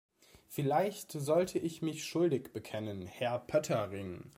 Vielleicht sollte ich mich schuldig bekennen, Herr Pöttering.